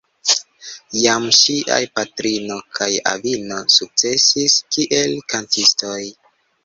Jam ŝiaj patrino kaj avino sukcesis kiel kantistoj.